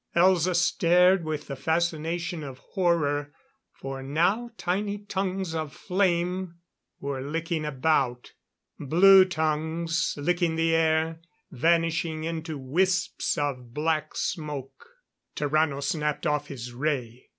Elza stared with the fascination of horror, for now tiny tongues of flame were licking about. Blue tongues, licking the air, vanishing into wisps of black smoke. Tarrano snapped off his ray.